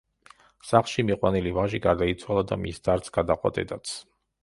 სახლში მიყვანილი ვაჟი გარდაიცვალა და მის დარდს გადაჰყვა დედაც.